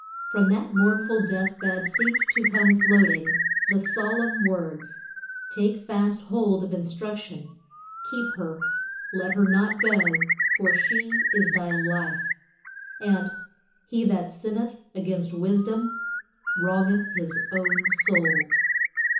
From that mournful death bed seemed to come floating the solemn words, "Take fast hold of instruction; keep her; let her not go, for she is thy life," and "He that sinneth against wisdom wrongeth his own soul."